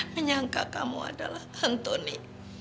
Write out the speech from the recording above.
menyangka kamu adalah anthony